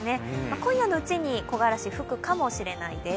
今夜のうちに木枯らしが吹くかもしれないです。